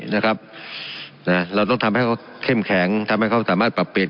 นะครับนะเราต้องทำให้เขาเข้มแข็งทำให้เขาสามารถปรับเปลี่ยน